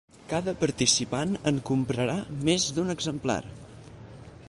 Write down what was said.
Cada participant en comprarà més d'un exemplar.